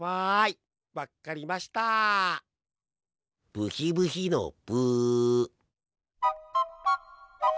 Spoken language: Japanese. ブヒブヒのブ。